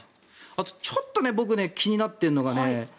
あと、ちょっと僕ね気になっているのがね